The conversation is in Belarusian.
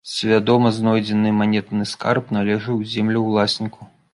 Свядома знойдзены манетны скарб належаў землеўласніку.